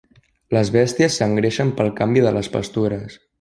Les bèsties s'engreixen pel canvi de les pastures.